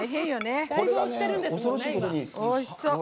おいしそう！